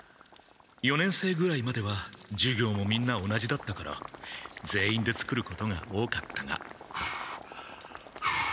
四年生ぐらいまでは授業もみんな同じだったから全員で作ることが多かったがフフ。